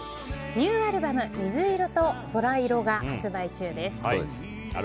ニューアルバム「水色と空色」が発売中です。